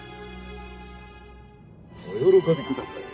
「お喜びください